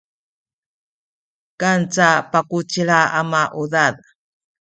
kanca pakucila a maudad